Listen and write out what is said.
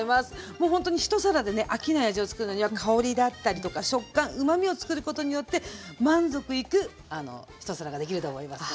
もうほんとに一皿でね飽きない味をつくるのには香りだったりとか食感うまみをつくることによって満足いく一皿ができると思いますので。